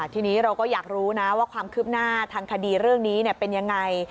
ทีนี้เราก็อยากรู้นะว่าความคืบหน้าทางคดีเรื่องนี้เป็นยังไง